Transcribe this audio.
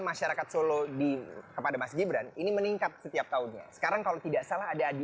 masyarakat solo di kepada mas gibran ini meningkat setiap tahunnya sekarang kalau tidak salah ada